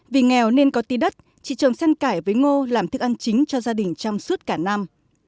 vì nghèo nên có tí đất chị trồng sen cải với ngô làm thức ăn chính cho gia đình trong suốt cả năm